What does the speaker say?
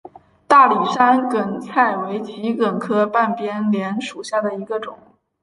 大理山梗菜为桔梗科半边莲属下的一个种。